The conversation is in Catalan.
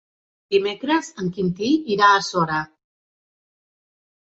Dimecres en Quintí irà a Sora.